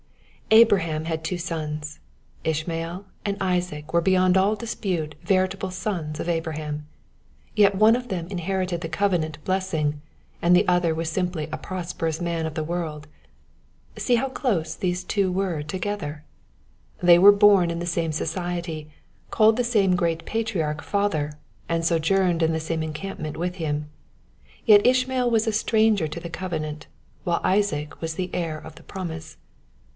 BRAHAM had two sons. Ishmael and Isaac were beyond all dispute veritable sons of Abraham. Yet one of them inherited the covenant blessing, and the other was simply a prosperous man of the world. See how close these two were together! They were bom in the same society, called the same great patriarch " father," and sojourned in the same encampment with him. Yet Ishmael was a stranger to the covenant, while Isaac was the heir of the promise.